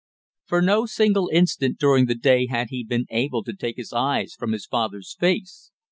For no single instant during the day had he been able to take his eyes from his father's face.